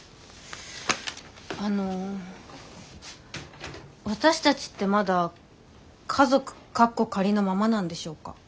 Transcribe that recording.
あの私たちってまだ家族カッコ仮のままなんでしょうか？